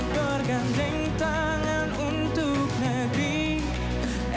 berganding tangan untuk lebih